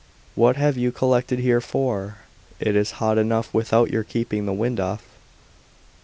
"What have you collected here for? It is hot enough without your keeping the wind off."